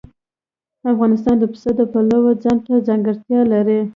افغانستان د پسه د پلوه ځانته ځانګړتیا لري.